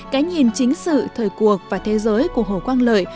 cái nhìn chính sự thời cuộc và thế giới của hồ quang lợi